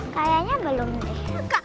kayaknya belum deh